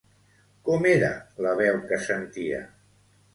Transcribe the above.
Com era la veu que sentia?